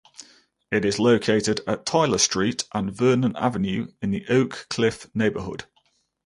It is located at Tyler Street and Vernon Avenue in the Oak Cliff neighborhood.